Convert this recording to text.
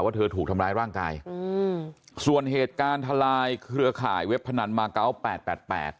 เธอถูกทำร้ายร่างกายอืมส่วนเหตุการณ์ทลายเครือข่ายเว็บพนันมาเกาะแปดแปดแปด